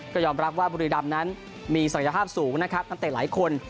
ก็ยอมรับว่าบุรีดำนั้นมีศักยภาพสูงนะครับนักเตะหลายคน